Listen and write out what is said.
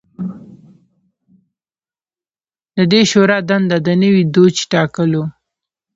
د دې شورا دنده د نوي دوج ټاکل و